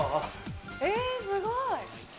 えすごい！